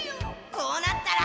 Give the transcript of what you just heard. こうなったら。